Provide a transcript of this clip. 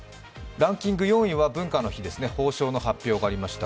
ランキング４位は文化の日、褒章の発表がありました。